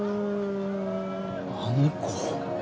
あの子。